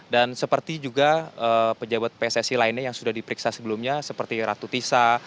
dan seperti juga pejabat pssi lainnya yang sudah diperiksa sebelumnya seperti ratu tisa